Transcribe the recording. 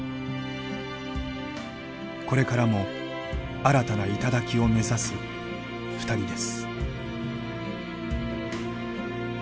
これからも新たな頂を目指す２人です。